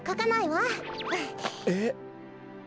えっ？